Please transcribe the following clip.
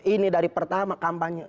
ini dari pertama kampanye